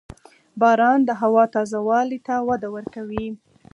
• باران د هوا تازه والي ته وده ورکوي.